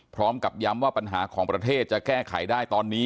พร้อมกับย้ำว่าปัญหาของประเทศจะแก้ไขได้ตอนนี้